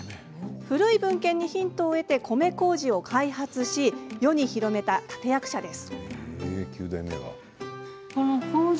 古い文献にヒントを得て米こうじを開発し世に広めた立て役者です。